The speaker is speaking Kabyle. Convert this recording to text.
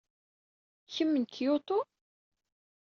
Kemm n Kyoto?